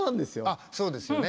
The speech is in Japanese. あっそうですよね。